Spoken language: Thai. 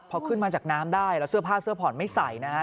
เพราะขึ้นมาจากน้ำได้เสื้อผ้าเสื้อผ่อนไม่ใส่นะครับ